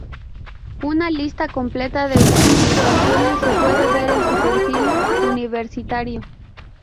Una lista completa de sus publicaciones se pueden ver en su perfil universitario.